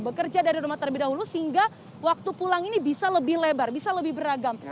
bekerja dari rumah terlebih dahulu sehingga waktu pulang ini bisa lebih lebar bisa lebih beragam